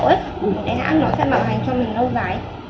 một cái hãng nó sẽ mạo hành cho mình lâu dài